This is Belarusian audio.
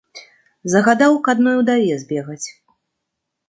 Загадаў к адной удаве збегаць.